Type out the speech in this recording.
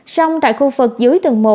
xong tại khu vực dưới tường một